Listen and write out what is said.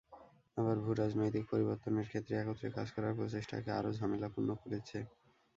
আবার ভূ-রাজনৈতিক পরিবর্তনের ক্ষেত্রে একত্রে কাজ করার প্রচেষ্টাকে আরও ঝামেলাপূর্ণ করেছে।